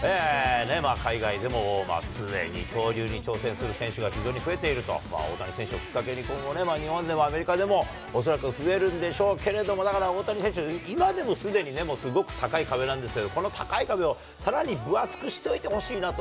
海外でもツーウェイ・二刀流に挑戦する選手が非常に増えていると、大谷選手をきっかけに、今後、日本でもアメリカでも、恐らく増えるんでしょうけれども、だから大谷選手、今でもすでにね、すごく高い壁なんですけれども、この高い壁を、さらに分厚くしといてほしいなと。